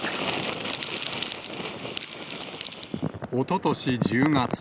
おととし１０月。